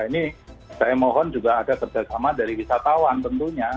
ini saya mohon juga ada kerjasama dari wisatawan tentunya